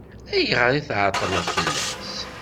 Ayɣer i tɛeṭṭleḍ fell-as?